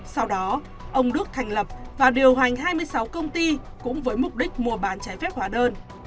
sau đó ông đức thành lập và điều hành hai mươi sáu công ty cũng với mục đích mua bán trái phép hóa đơn